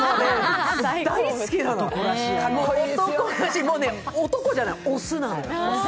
大好きなの、もう男じゃない、雄なの。